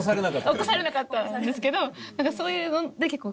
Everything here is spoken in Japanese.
起こされなかったんですけど。